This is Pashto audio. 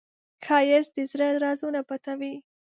ښایست د زړه رازونه پټوي